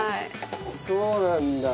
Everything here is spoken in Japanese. そうなんだ。